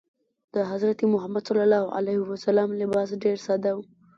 د حضرت محمد ﷺ لباس ډېر ساده و.